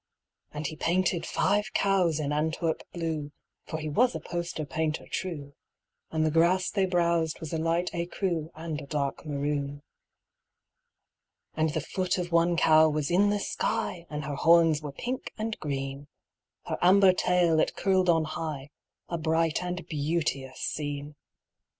And he painted five cows in Antwerp blue (For he was a poster painter true), And the grass they browsed was a light écru And a dark maroon. And the foot of one cow was in the sky, And her horns were pink and green; Her amber tail it curled on high A bright and beauteous scene.